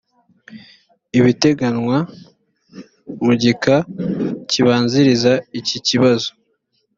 ibiteganywa mu gika kibanziriza iki kibazo